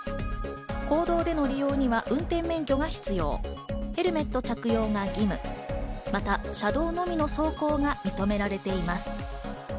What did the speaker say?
公道での利用には運転免許が必要、ヘルメット着用が義務、車道のみの走行が認められています。